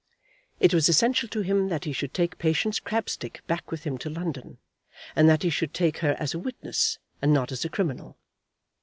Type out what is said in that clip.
It was essential to him that he should take Patience Crabstick back with him to London, and that he should take her as a witness and not as a criminal.